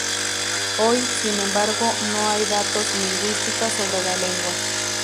Hoy, sin embargo, no hay datos lingüística sobre la lengua.